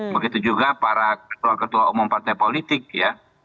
begitu juga para ketua umum partai politik ya